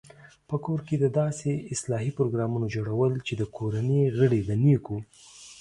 په کور کې د داسې اصلاحي پروګرامونو جوړول چې د کورنۍ غړي د نېکو